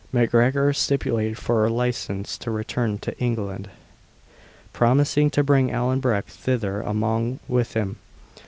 MacGregor stipulated for a license to return to England, promising to bring Allan Breck thither along with him.